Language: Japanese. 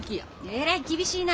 えらい厳しいな。